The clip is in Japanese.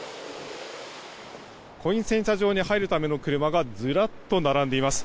コイン洗車場に入るための車がずらっと並んでいます。